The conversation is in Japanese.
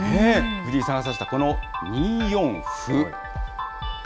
藤井さんが指したこの２四歩。